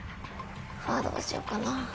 わどうしようかな。